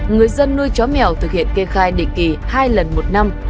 người dân nuôi chó mèo thực hiện kê khai định kỳ hai lần một năm